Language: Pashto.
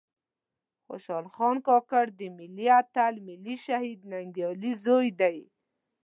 خوشال خان کاکړ د ملي آتل ملي شهيد ننګيالي ﺯوې دې